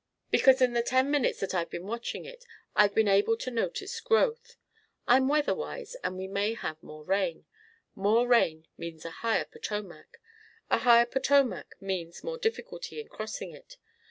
"Because in the ten minutes that I've been watching it I've been able to notice growth. I'm weather wise and we may have more rain. More rain means a higher Potomac. A higher Potomac means more difficulty in crossing it.